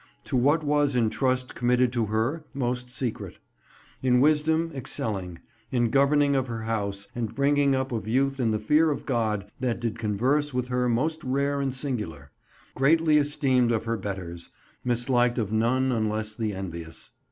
To what was in trust committed to her most secret. In wisdom excelling; in governing of her house, and bringing up of youth in the fear of God, that did converse with her most rare and singular; greatly esteemed of her betters; misliked of none unless the envious.